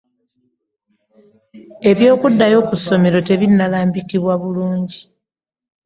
Ebyokudaayo ku somero tebinalambikibwa bulungi.